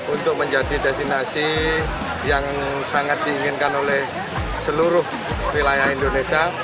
untuk menjadi destinasi yang sangat diinginkan oleh seluruh wilayah indonesia